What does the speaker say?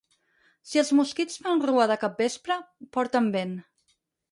Si els mosquits fan rua de capvespre, porten vent.